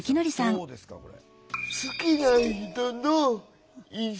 どうですかこれ。